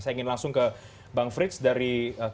saya ingin langsung ke bang frits dari komisioner bank indonesia